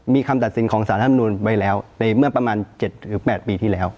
มีคำตัดสินของสารธรรมนุนไว้แล้วในเมื่อประมาณ๗๘ปีที่แล้ว